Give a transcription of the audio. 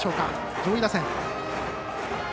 上位打線。